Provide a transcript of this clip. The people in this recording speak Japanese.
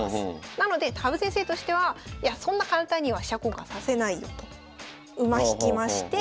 なので羽生先生としてはいやそんな簡単には飛車交換させないよと馬引きまして。